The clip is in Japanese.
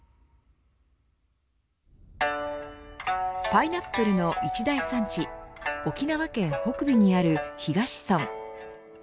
パイナップルの一大産地沖縄県北部にある東村。